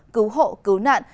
cứu hộ cứu nạn